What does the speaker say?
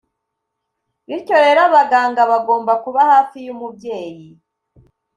bityo rero abaganga bagomba kuba hafi y’umubyeyi